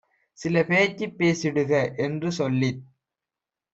சிலபேச்சுப் பேசிடுக" என்றுசொல்லித்